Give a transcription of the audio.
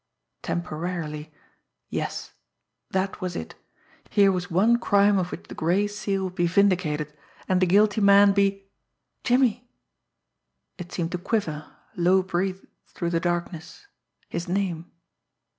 Temporarily! Yes, that was it! Here was one crime of which the Gray Seal would be vindicated, and the guilty man be "Jimmie!" It seemed to quiver, low breathed, through the darkness his name.